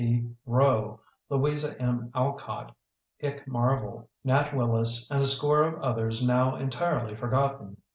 P. Roe, Louisa M. Alcott, Ik Marvel, Nat Willis, and a score of others now entirely forgotten.